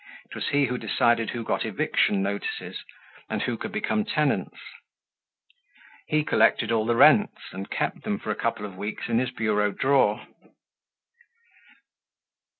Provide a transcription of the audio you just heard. It was he who decided who got eviction notices and who could become tenants. He collected all the rents and kept them for a couple of weeks in his bureau drawer.